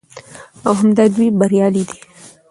او همدا دوى بريالي دي